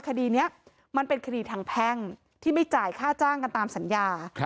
คดีนี้มันเป็นคดีทางแพ่งที่ไม่จ่ายค่าจ้างกันตามสัญญา